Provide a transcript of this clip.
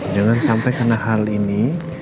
jangan sampai karena hal ini